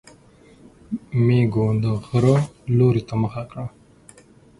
مېزو د غره لوري ته مخه وکړه.